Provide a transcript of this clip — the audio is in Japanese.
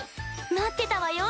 待ってたわよ